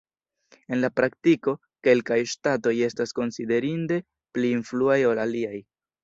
En la praktiko, kelkaj ŝtatoj estas konsiderinde pli influaj ol aliaj.